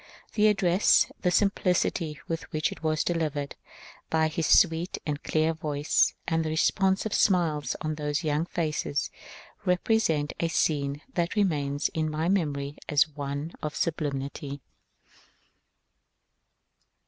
The address, the simplicity with which it was delivered by his sweet and clear voice, and the responsive smiles on those young faces, represent a scene that remains in my memory as one of sublimity.